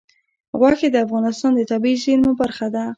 غوښې د افغانستان د طبیعي زیرمو برخه ده.